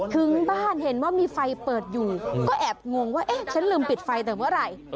ถึงบ้านเห็นว่ามีไฟเปิดอยู่ก็แอบงงว่าเอ๊ะฉันลืมปิดไฟแต่เมื่อไหร่